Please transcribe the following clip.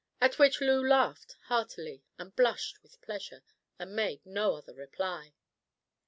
At which Loo laughed heartily, and blushed with pleasure, and made no other reply.